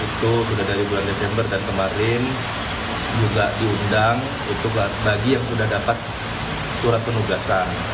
itu sudah dari bulan desember dan kemarin juga diundang bagi yang sudah dapat surat penugasan